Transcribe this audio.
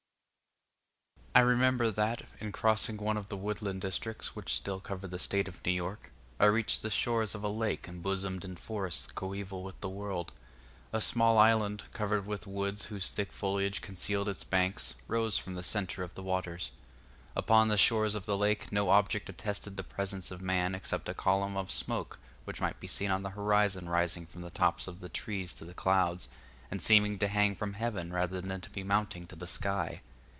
I remember that, in crossing one of the woodland districts which still cover the State of New York, I reached the shores of a lake embosomed in forests coeval with the world. A small island, covered with woods whose thick foliage concealed its banks, rose from the centre of the waters. Upon the shores of the lake no object attested the presence of man except a column of smoke which might be seen on the horizon rising from the tops of the trees to the clouds, and seeming to hang from heaven rather than to be mounting to the sky.